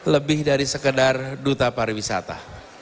lebih dari sekedar duta pariwisata